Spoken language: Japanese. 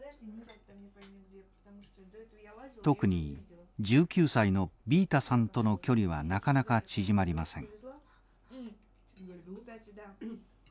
特に１９歳のビータさんとの距離はなかなか縮まりません。